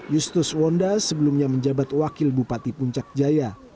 justus wonda sebelumnya menjabat wakil bupati puncak jaya